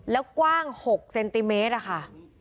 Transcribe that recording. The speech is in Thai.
แล้วกว้าง๖เซนติเมตรอะค่ะ